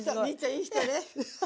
いい人ね。